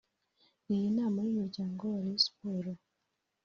Iyi nama y’umuryango wa Rayon Sports